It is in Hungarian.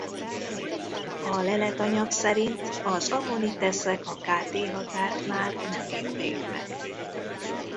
A leletanyag szerint az ammoniteszek a K–T határt már nem érték meg.